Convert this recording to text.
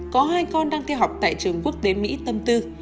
có hai con đang theo học tại trường quốc tế mỹ tâm tư